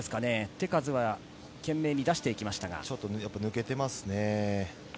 手数は懸命に出していきまし抜けていますね。